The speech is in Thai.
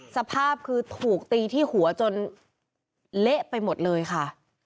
สภาพคือถูกตีที่หัวจนเละไปหมดเลยค่ะ